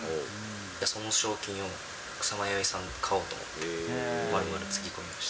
その賞金で、草間彌生さん買おうと思って、まるまるつぎ込みました。